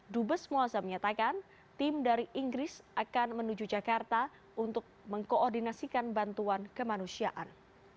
dubes muazza menyatakan tim dari inggris akan menuju jakarta untuk mengkoordinasikan bantuan kemanusiaan